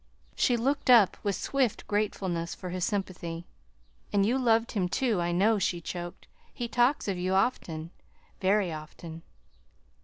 She looked up with swift gratefulness for his sympathy. "And you loved him, too, I know" she choked. "He talks of you often very often."